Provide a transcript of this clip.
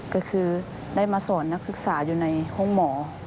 ก็คือได้มาสอนนักศึกษาอยู่ในห้องหมอ